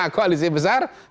lima koalisi besar